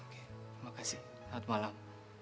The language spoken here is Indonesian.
terima kasih selamat malam